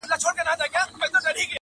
حاکم وویل ته کډه سه کاشان ته.!